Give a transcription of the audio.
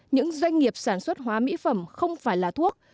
những doanh nghiệp sản xuất hóa mỹ phẩm không phải là thuốc